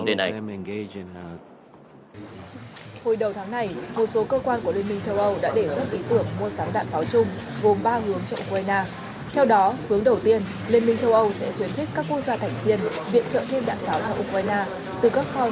hồi đầu tháng này một số cơ quan của liên minh châu âu đã để xuất ý tưởng mua sắm đạn pháo chung gồm ba hướng cho ukraine